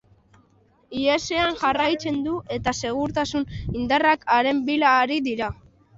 Ihesean jarraitzen du eta segurtasun indarrak haren bila ari dira.